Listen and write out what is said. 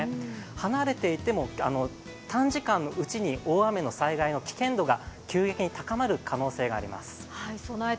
離れていても、短時間のうちに大雨の災害の危険度が急激に高まる可能性があります。